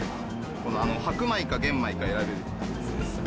白米か玄米か選べるって感じですね。